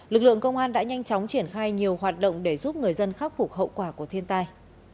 lực lượng công an đã nhanh chóng triển khai nhiều hoạt động để giúp người dân khắc phục hậu quả của thiên tai